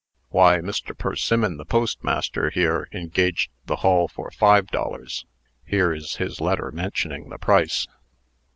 "Why, Mr. Persimmon, the postmaster here, engaged the hall for five dollars. Here is his letter mentioning the price."